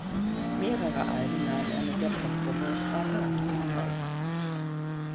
Mehrere Alben nahm er mit der Popgruppe a-ha auf.